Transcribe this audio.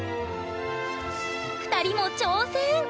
２人も挑戦！